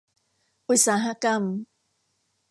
อุตสาหกรรม